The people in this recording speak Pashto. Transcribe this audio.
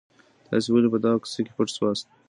تاسي ولي په دغه کوڅې کي پټ سواست؟